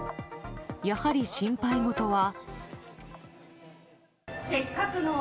やはり心配事は。